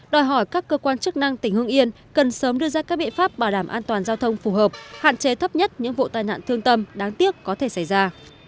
đòi hỏi các cơ quan chức năng tỉnh hương yên cần sớm đưa ra các biện pháp bảo đảm an toàn giao thông phù hợp hạn chế thấp nhất những vụ tai nạn thương tâm đáng tiếc có thể xảy ra